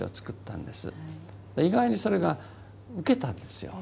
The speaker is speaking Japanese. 意外にそれが受けたんですよ。